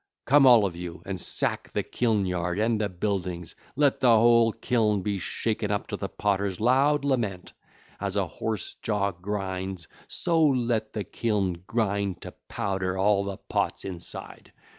Come all of you and sack the kiln yard and the buildings: let the whole kiln be shaken up to the potter's loud lament. As a horse's jaw grinds, so let the kiln grind to powder all the pots inside.